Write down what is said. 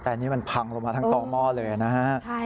แต่อันนี้มันพังลงมาทั้งต่อหม้อเลยนะฮะ